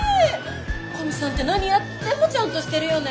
古見さんって何やってもちゃんとしてるよね。